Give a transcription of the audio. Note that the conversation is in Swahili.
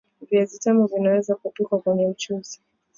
Viazi vitamu vinaweza Kupikwa kwenye mchuzi